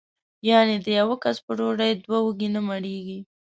یعنې د یوه کس په ډوډۍ دوه وږي نه مړېږي.